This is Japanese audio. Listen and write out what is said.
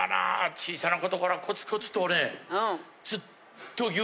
小さなことからコツコツとね。